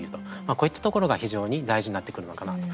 こういったところが非常に大事になってくるのかなと。